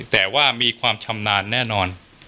แต่ว่ามีความชำนาญแน่นอน